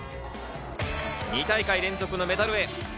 ２大会連続のメダルへ。